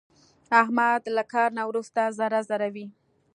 احمد له کار نه ورسته ذره ذره وي.